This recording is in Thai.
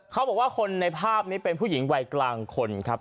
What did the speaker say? เขาบอกว่าคนในภาพนี้เป็นผู้หญิงวัยกลางคนครับ